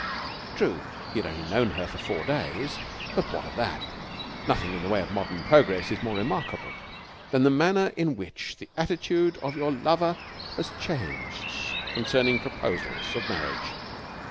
True, he had only known her for four days, but what of that? Nothing in the way of modern progress is more remarkable than the manner in which the attitude of your lover has changed concerning proposals of marriage.